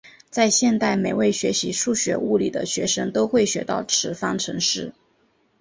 在现代每位学习数学物理的学生都会学到此方程式。